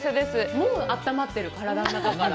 もうあったまってる、体の中から。